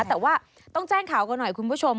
แต่ว่าต้องแจ้งข่าวกันหน่อยคุณผู้ชม